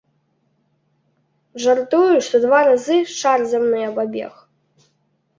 Жартую, што два разы шар зямны абабег.